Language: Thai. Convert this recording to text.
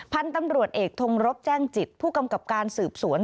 พันธุ์ตำรวจเอกทงรบแจ้งจิตผู้กำกับการสืบสวน